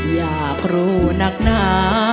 อยากรู้นะครับ